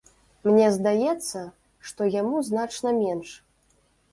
Мне здаецца, што яму значна менш.